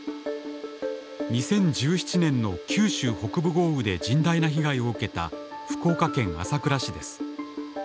２０１７年の九州北部豪雨で甚大な被害を受けた福岡県朝倉市です。